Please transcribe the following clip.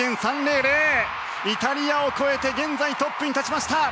イタリアを超えて現在、トップに立ちました！